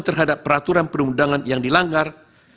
terhadap peraturan pendang undangan yang di langgar